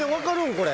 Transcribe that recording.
これ。